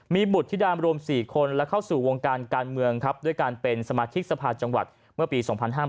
มีบุตรธิดามรวม๔คนและเข้าสู่วงการการเมืองครับด้วยการเป็นสมาชิกสภาจังหวัดเมื่อปี๒๕๕๘